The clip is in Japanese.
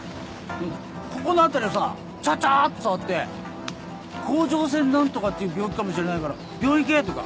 ここの辺りをさちゃちゃーっと触って甲状腺何とかっていう病気かもしれないから病院行けとか。